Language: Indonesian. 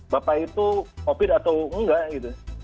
bapak itu covid atau enggak gitu